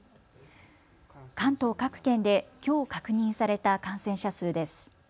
関東各県で、きょう確認された感染者数です。